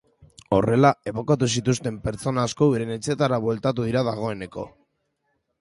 Horrela, ebakuatu zituzten pertsona asko euren etxeetara bueltatu dira dagoeneko.